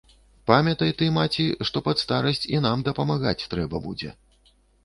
Памятай ты, маці, што пад старасць і нам дапамагаць трэба будзе.